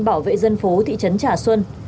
bảo vệ dân phố thị trấn trà sơn